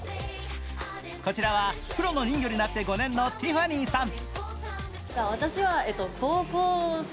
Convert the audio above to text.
こちらはプロの人魚になって５年のティファニーさん。